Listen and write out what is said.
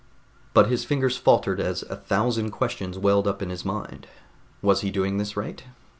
But his fingers faltered as a thousand questions welled up in his mind. Was he doing this right?